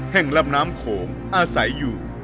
แห่งลำน้ำโขงอาศัยอยู่